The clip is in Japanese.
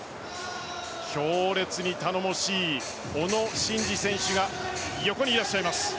強烈に頼もしい小野伸二選手が横にいらっしゃいます。